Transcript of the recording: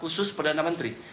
khusus perdana menteri